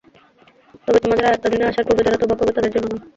তবে, তোমাদের আয়ত্তাধীনে আসার পূর্বে যারা তওবা করবে, তাদের জন্য নয়।